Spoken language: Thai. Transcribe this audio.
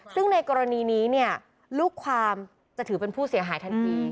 ซึ่งในกรณีนี้เนี่ยลูกความจะถือเป็นผู้เสียหายทันที